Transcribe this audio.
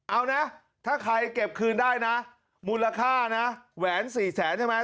เอานะถ้าใครเก็บคืนได้นะมูลค่านะแหวน๔แสนใช่ไหม